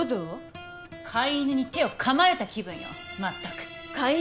「飼い犬に手をかまれた気分よ。